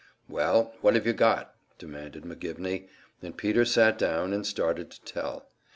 "Well, what have you got?" demanded McGivney; and Peter sat down and started to tell.